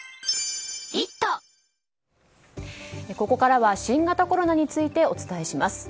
ここからは新型コロナについてお伝えします。